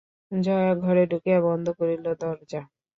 জয়া ঘরে ঢুকিয়া বন্ধ করিল দরজা।